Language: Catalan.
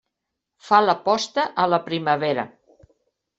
Fa la posta a la primavera.